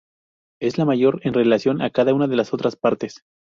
Es la mayor en relación a cada una de las otras partes.